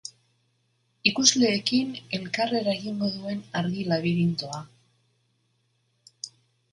Ikusleekin elkarreragingo duen argi-labirintoa.